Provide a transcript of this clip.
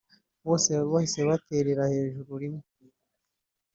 bose bahise baterera hejuru rimwe